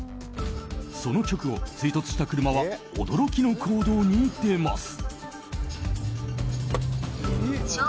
その直後、追突した車は驚きの行動に出ます。